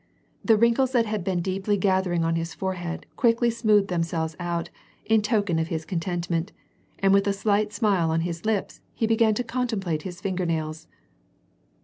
The wrinkles that had been deeply gathering on his forehead quickly smoothed them selves out, in token of his contentment, and with a slight smile ou his lips, he began to contemplate his finger nails.